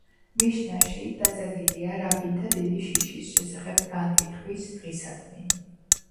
მიშნაში დაწერილია რაბინთა დიდი შიშის შესახებ განკითხვის დღისადმი.